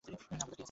না বুঝার কি আছে।